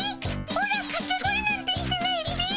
オラかけ声なんてしてないっピ。